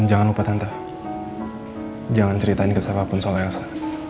jangan ceritain ke siapapun soal elsa